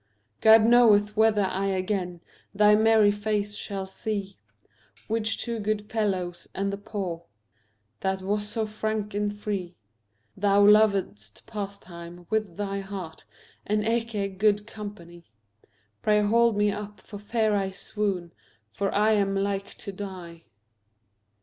God knoweth whether I again Thy merry face shall see, Which to good fellows and the poor That was so frank and free. Thou lovedst pastime with thy heart, And eke good company; Pray hold me up for fear I swoon, For I am like to die.